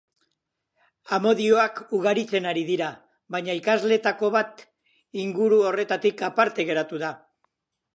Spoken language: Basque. Amodioak ugaritzen ari dira, baina ikasleetako bat inguru horretatik aparte geratu da.